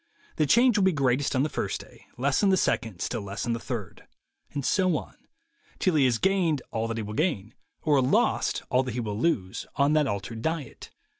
The change will be greatest on the first day, less on the second, still less on the third; and so on, till he has gained all that he will gain, or lost all that he will lose, on that altered diet.